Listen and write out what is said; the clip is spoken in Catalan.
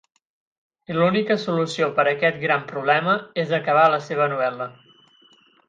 I l'única solució per a aquest gran problema és acabar la seva novel·la.